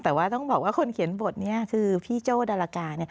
แต่ว่าต้องบอกว่าคนเขียนบทนี้คือพี่โจ้ดารากา